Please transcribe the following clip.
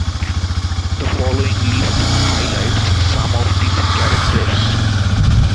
The following list highlights some of these characters.